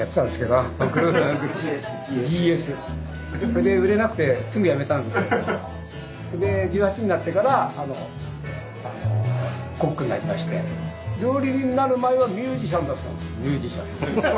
それで売れなくてすぐやめたんですけどで１８になってからコックになりまして料理人になる前はミュージシャンだったんですよミュージシャン。